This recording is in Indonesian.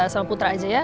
sama putra aja ya